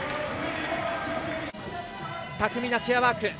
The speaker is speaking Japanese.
巧みなチェアワーク。